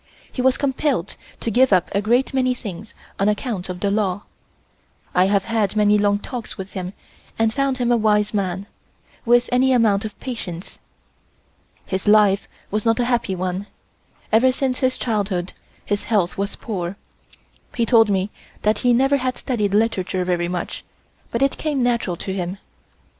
He was compelled to give up a great many things on account of the law. I have had many long talks with him and found him a wise man, with any amount of patience. His life was not a happy one; ever since his childhood his health was poor. He told me that he never had studied literature very much, but it came natural to him.